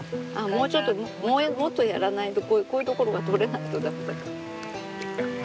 もうちょっともっとやらないとこういう所が取れないと駄目だから。